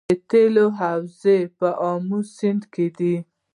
د تیلو حوزه په امو سیند کې ده